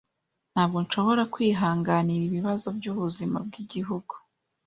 Ntabwo nshobora kwihanganira ibibazo byubuzima bwigihugu.